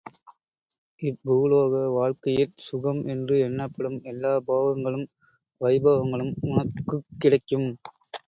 இப்பூலோக வாழ்க்கையிற் சுகம் என்று எண்ணப்படும் எல்லாப் போகங்களும் வைபவங்களும் உனக்குக் கிடைக்கும்.